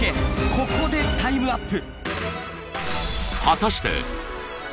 ここでタイムアップ